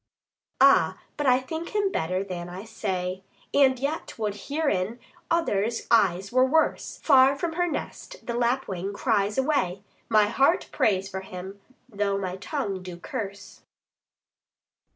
Adr. Ah, but I think him better than I say, 25 And yet would herein others' eyes were worse. Far from her nest the lapwing cries away: My heart prays for him, though my tongue do curse.